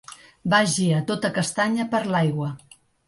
Vagi a tota castanya per l'aigua.